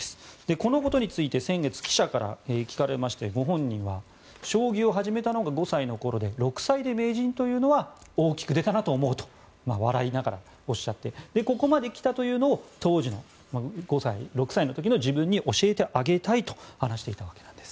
このことについて先月記者から聞かれましてご本人は将棋を始めたのが５歳の頃で６歳で名人というのは大きく出たなと思うと笑いながらおっしゃってここまで来たというのを当時の５歳、６歳の時の自分に教えてあげたいと話していたわけなんです。